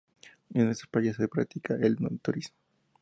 En estas playas se practica el naturismo.